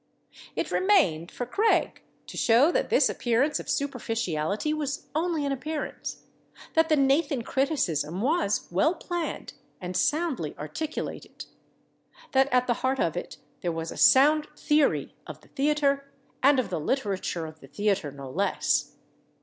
It remained for Craig to show that this appearance of superficiality was only an appearance, that the Nathan criticism was well planned and soundly articulated, that at the heart of it there was a sound theory of the theater, and of the literature of the theater no less.